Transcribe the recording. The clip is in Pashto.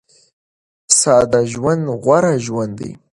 ساده ژوند غوره ژوند دی.